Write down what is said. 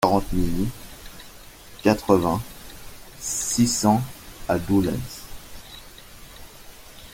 quarante milly, quatre-vingts, six cents à Doullens